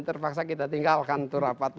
terpaksa kita tinggalkan itu rapat